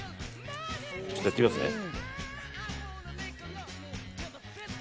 ちょっとやってみますね。